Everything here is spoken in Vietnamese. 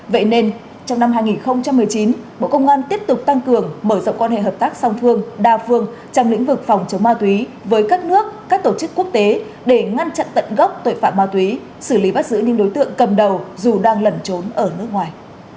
vậy nên trong năm hai nghìn một mươi chín bộ công an tiếp tục tăng cường mở rộng quan hệ hợp tác song phương đa phương trong lĩnh vực phòng chống ma túy với các nước các tổ chức quốc tế để ngăn chặn tận gốc tội phạm ma túy xử lý bắt giữ những đối tượng cầm đầu dù đang lẩn trốn ở nước ngoài